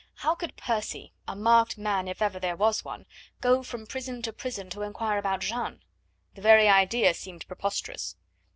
How could Percy a marked man if ever there was one go from prison to prison to inquire about Jeanne? The very idea seemed preposterous.